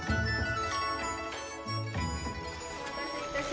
お待たせ致しました。